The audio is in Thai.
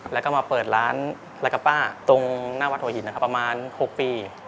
แล้วก็มาเปิดร้านลากาป้าตรงหน้าวัดหัวหินนะครับประมาณ๖ปี